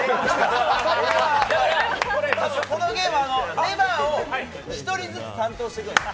このゲーム、レバーを１人ずつ担当していくんです。